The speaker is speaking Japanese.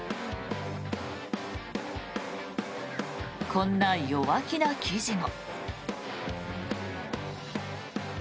こんな弱気な記事も。